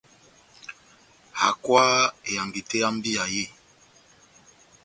Hákwaha ehangi tɛ́h yá mbíya yé !